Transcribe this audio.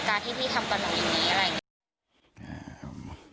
ที่พี่ทำกับเราอย่างนี้อะไรอย่างนี้